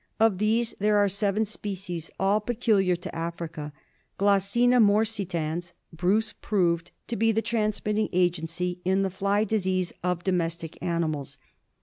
Of these there are seven species, all peculiar to Africa. Glossina morsitans Bruce proved to be the transmitting agency in the fly disease of domestic animals.